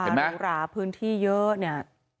หรูหราพื้นที่เยอะเนี่ย